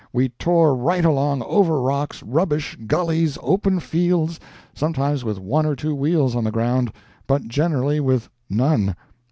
We tore right along, over rocks, rubbish, gullies, open fields sometimes with one or two wheels on the ground, but generally with none.